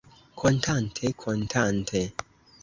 Kontante, kontante.